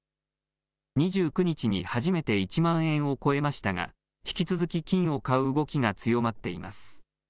２９日に初めて１万円を超えましたが引き続き金を買う動きが強まっています。